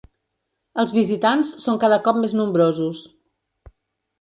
Els visitants són cada cop més nombrosos.